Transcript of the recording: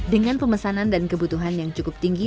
dengan pemesanan dan kebutuhan yang cukup tinggi